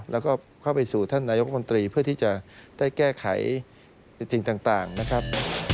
แล้วก็เข้าไปสู่ท่านนายกรัฐมนตรีเพื่อที่จะได้แก้ไขสิ่งต่างนะครับ